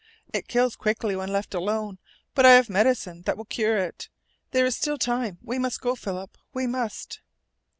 "It kills quickly when left alone. But I have medicine that will cure it. There is still time. We must go, Philip. We must!"